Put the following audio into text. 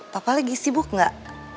papa lagi sibuk gak